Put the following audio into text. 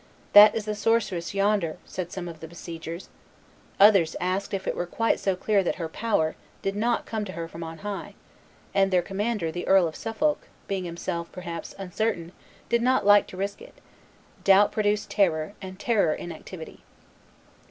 "That is the sorceress yonder," said some of the besiegers; others asked if it were quite so clear that her power, did not come to her from on high; and their commander, the Earl of Suffolk, being himself, perhaps, uncertain, did not like to risk it: doubt produced terror, and terror inactivity.